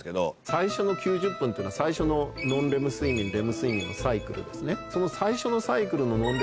最初の９０分っていうのは最初のノンレム睡眠レム睡眠のサイクルですね。